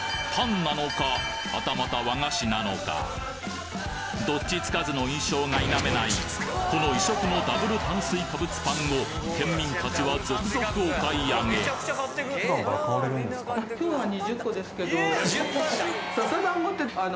はたまたどっちつかずの印象が否めないこの異色のダブル炭水化物パンを県民達は続々お買い上げそれに。